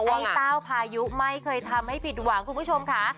ว่าเต้าพายุไม่เคยทำให้ผิดหวังคุณผู้ชมค่ะ